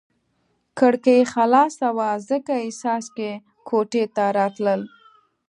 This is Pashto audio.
کړکۍ خلاصه وه ځکه یې څاڅکي کوټې ته راتلل.